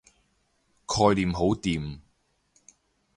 概念好掂